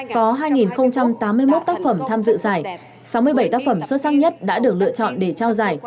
có hai tám mươi một tác phẩm tham dự giải sáu mươi bảy tác phẩm xuất sắc nhất đã được lựa chọn để trao giải